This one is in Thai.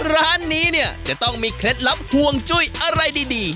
ร้านนี้เนี่ยจะต้องมีเคล็ดลับห่วงจุ้ยอะไรดี